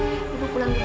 ibu pulang dulu ya